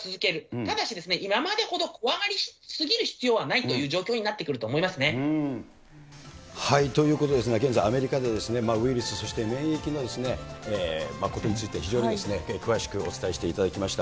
ただし今までほど怖がり過ぎる必要はないという状況になってくるということですが、現在アメリカでウイルス、そして免疫のことについて、非常に詳しくお伝えしていただきました。